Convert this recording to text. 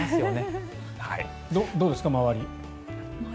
どうですか？